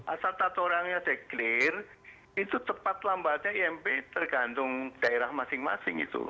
asal tata ruangnya deklarasi itu tepat lambatnya imb tergantung daerah masing masing